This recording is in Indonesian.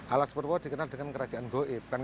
alas purwo dikenal dengan kerajaan goib